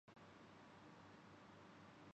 تو فوج کی مداخلت سے۔